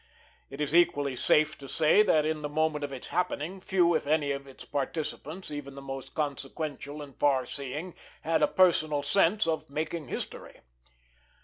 It is equally safe to say that in the moment of its happening few if any of its participants, even the most consequential and far seeing, had a personal sense of making history.